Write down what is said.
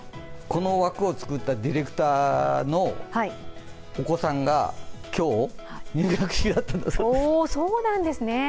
この枠を作ったディレクターのお子さんが今日、入学式だったんだそうです。